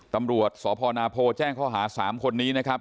ตำรวจสพนาโพแจ้งข้อหา๓คนนี้นะครับ